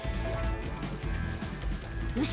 ［よし。